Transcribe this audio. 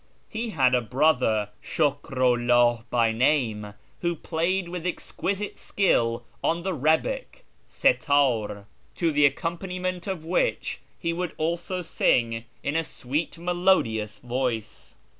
He had a brother, Shukru 'llah by name, who played with exquisite skill on the rebeck {si tar), to the accompaniment of which he would also sing in a sweet melodious voice.